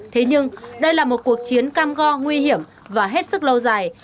thế nhưng đây là một cuộc chiến cam go nguy hiểm và hết sức lâu dài